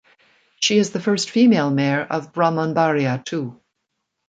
She is the first female mayor of Brahmanbaria too.